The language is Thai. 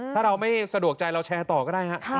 ถ้าเราไม่สะดวกใจเราแชร์ต่อก็ได้ฮะ